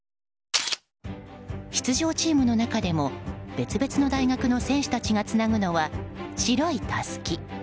出場チームの中でも別々の大学の選手たちがつなぐのは白いたすき。